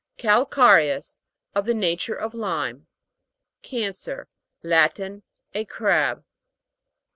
CALCA'RECHTS, Of the nature of lime, CAN'CER. Latin. A crab.